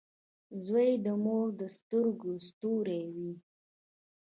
• زوی د مور د سترګو ستوری وي.